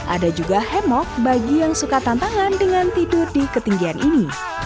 ada juga hemok bagi yang suka tantangan dengan tidur di ketinggian ini